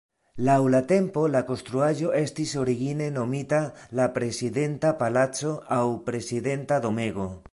Laŭ la tempo, la konstruaĵo estis origine nomita la Prezidenta Palaco aŭ Prezidenta Domego.